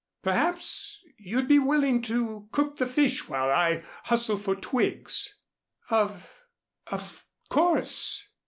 Perhaps, you'd be willing to cook the fish while I hustle for twigs." "Of of course."